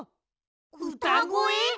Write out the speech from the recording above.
うたごえ？